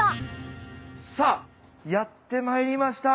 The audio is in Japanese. さあやってまいりました。